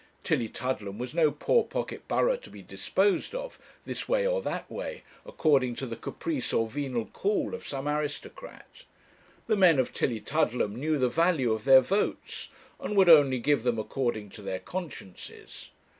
Tillietudlem was no poor pocket borough to be disposed of, this way or that way, according to the caprice or venal call of some aristocrat. The men of Tillietudlem knew the value of their votes, and would only give them according to their consciences.